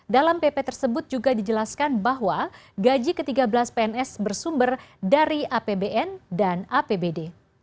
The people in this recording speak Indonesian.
dalam pp tersebut juga dijelaskan bahwa gaji ke tiga belas pns bersumber dari apbn dan apbd